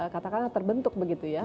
katakanlah terbentuk begitu ya